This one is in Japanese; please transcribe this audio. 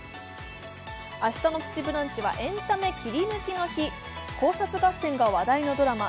明日の「プチブランチ」はエンタメキリヌキの日考察合戦が話題のドラマ